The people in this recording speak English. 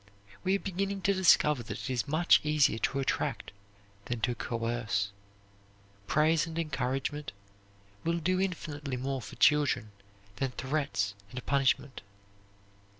We are beginning to discover that it is much easier to attract than to coerce. Praise and encouragement will do infinitely more for children than threats and punishment.